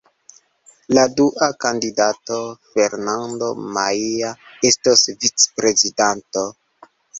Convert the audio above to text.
La dua kandidato, Fernando Maia, estos vicprezidanto.